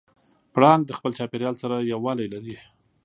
پړانګ د خپل چاپېریال سره یووالی لري.